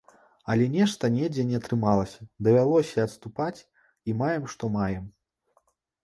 Але нешта недзе не атрымалася, давялося адступаць, і маем што маем.